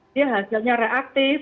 dia hasilnya reaktif